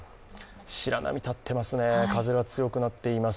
白波立ってますね、風が強くなっています。